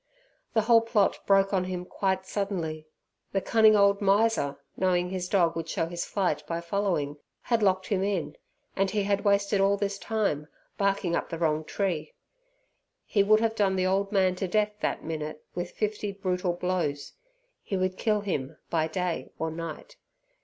The whole plot broke on him quite suddenly! The cunning old miser, knowing his dog would show his flight by following, had locked him in, and he had wasted all this time barking up the wrong tree. He would have done the old man to death that minute with fifty brutal blows. He would kill him by day or night.